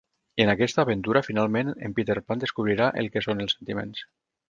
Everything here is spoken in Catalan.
En aquesta aventura finalment en Peter Pan descobrirà el que són els sentiments.